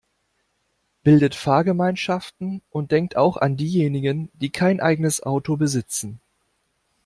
Bildet Fahrgemeinschaften und denkt auch an diejenigen, die kein eigenes Auto besitzen.